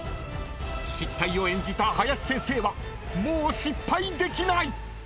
［失態を演じた林先生はもう失敗できない！］